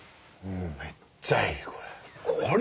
めっちゃいいこれ。